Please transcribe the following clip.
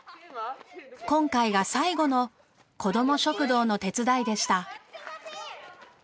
今回が最後のこども食堂の手伝いでした。